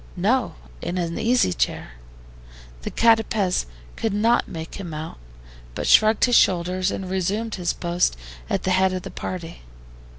"No, in an easy chair." The CATAPEZ could not make him out, but shrugged his shoulders and resumed his post at the head of the party.